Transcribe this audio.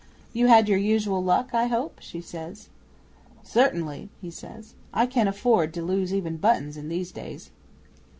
'"You had your usual luck, I hope?" she says. '"Certainly," he says. "I cannot afford to lose even buttons in these days."